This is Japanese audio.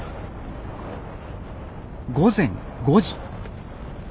午前５時。